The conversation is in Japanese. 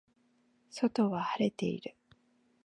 外は晴れている